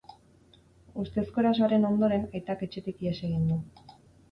Ustezko erasoaren ondoren, aitak etxetik ihes egin du.